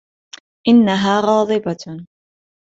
إنها غاضبة.